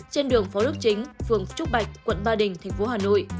trên đường phó đức chính phường trúc bạch quận ba đình tp hà nội